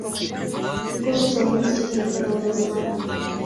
Kikosi cha ulinzi cha taifa la Ujerumani